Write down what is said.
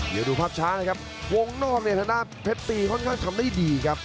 เดี๋ยวดูภาพช้ายกันครับวงนอกในธนาปฤติก็ค่อนข้างทำได้ดีครับ